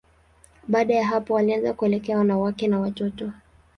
Baada ya hapo, walianza kuelekea wanawake na watoto.